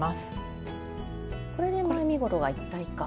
これで前身ごろが一体化？